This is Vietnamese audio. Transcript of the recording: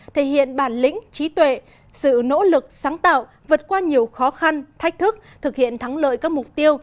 thể hiện bản lĩnh trí tuệ sự nỗ lực sáng tạo vượt qua nhiều khó khăn thách thức thực hiện thắng lợi các mục tiêu